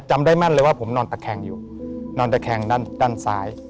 จำได้แม่นเลยว่าผมนอนตะแคงอยู่นอนตะแคงด้านซ้าย